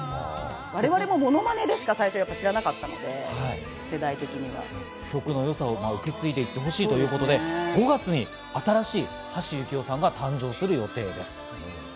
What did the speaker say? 我々もモノマネでしか最初は知らなかったよさを受け継いでいってほしいということで５月に新しい橋幸夫さんが誕生する予定です。